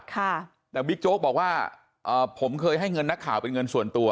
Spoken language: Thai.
ค่ะแต่บิ๊กโจ๊กบอกว่าเอ่อผมเคยให้เงินนักข่าวเป็นเงินส่วนตัว